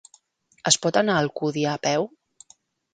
Es pot anar a Alcúdia a peu?